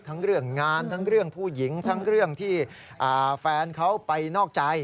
ทั้งเรื่องงานทั้งเรื่องผู้หญิงทั้งเรื่องที่แฟนเขาไปนอกใจ